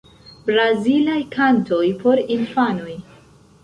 Brazilaj kantoj por infanoj.